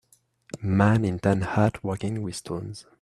Man in tan hat working with stones